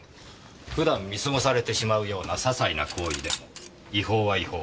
普段見過ごされてしまうような些細な行為でも違法は違法。